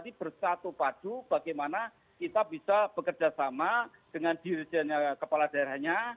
jadi bersatu padu bagaimana kita bisa bekerja sama dengan dirijennya kepala daerahnya